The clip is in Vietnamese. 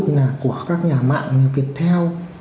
ví dụ như là của các nhà mạng viettel